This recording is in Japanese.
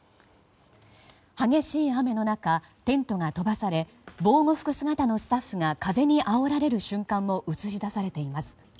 激しい雨の中テントが飛ばされ防護服姿のスタッフが風にあおられる瞬間も映し出されています。